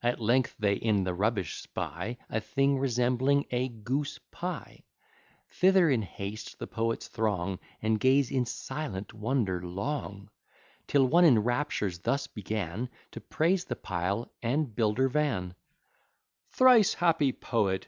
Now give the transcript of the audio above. At length they in the rubbish spy A thing resembling a goose pie. Thither in haste the Poets throng, And gaze in silent wonder long, Till one in raptures thus began To praise the pile and builder Van: "Thrice happy Poet!